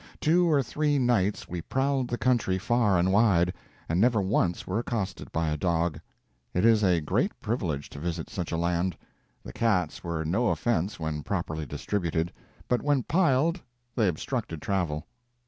Two or three nights we prowled the country far and wide, and never once were accosted by a dog. It is a great privilege to visit such a land. The cats were no offense when properly distributed, but when piled they obstructed travel.